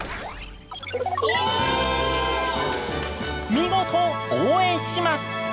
見事「応援します」！